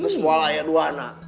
semua lah ya dua anak